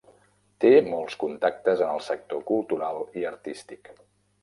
Té molts contactes en el sector cultural i artístic.